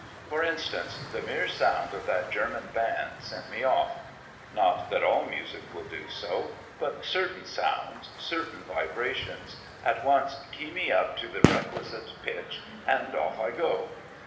For instance, the mere sound of that German band sent me off. Not that all music will do so, but certain sounds, certain vibrations, at once key me up to the requisite pitch, and off I go.